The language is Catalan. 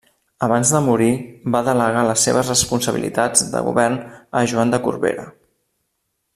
Abans de morir va delegar les seves responsabilitats de govern a Joan de Corbera.